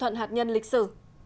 thỏa thuận hạt nhân lịch sử